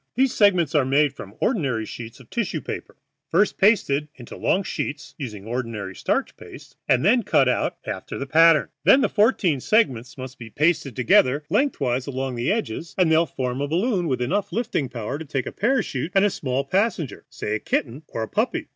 These segments are made from ordinary sheets of tissue paper, first pasted into long sheets (use ordinary starch paste) and then cut out after the pattern. Then the fourteen segments must be pasted together lengthwise along the edges, and they will form a balloon with enough lifting power to take up a parachute and small passenger, say a kitten or a puppy."